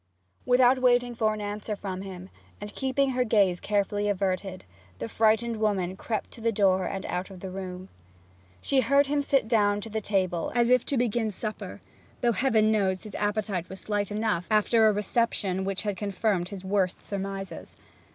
Without waiting for an answer from him, and keeping her gaze carefully averted, the frightened woman crept to the door and out of the room. She heard him sit down to the table, as if to begin supper though, Heaven knows, his appetite was slight enough after a reception which had confirmed his worst surmises.